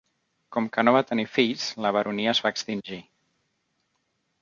Com que no va tenir fills, la baronia es va extingir.